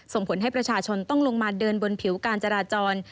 ส่งผลให้ประชาชนต้องลงมาเดินบนผิวการจราจร